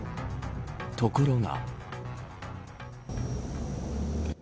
ところが。